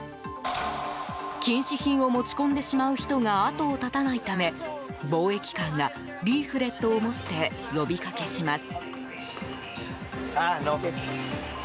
禁止品を持ち込んでしまう人が後を絶たないため防疫官がリーフレットを持って呼びかけします。